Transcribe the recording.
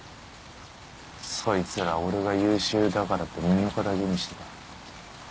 そいつら俺が優秀だからって目の敵にしてた。